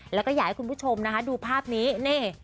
แล้วก็อยากให้คุณผู้ชมนะคะดูภาพนี้นี่